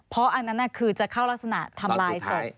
เพราะอันนั้นคือจะเข้ารักษณะทำลายศพ